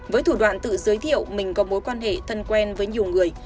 với thủ đoạn tự giới thiệu mình có mối quan hệ thân quen với nhiều người